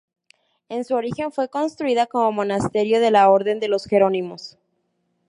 En su origen fue construida como monasterio de la Orden de los Jerónimos.